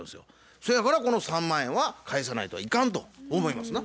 そやからこの３万円は返さないといかんと思いますな。